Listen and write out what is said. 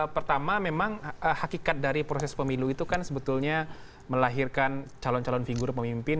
pertama memang hakikat dari proses pemilu itu kan sebetulnya melahirkan calon calon figur pemimpin